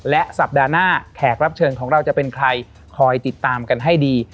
และสัปดาห์หน้าแขกรับเชิญของเราจะเป็นใครคอยติดตามกันให้ดี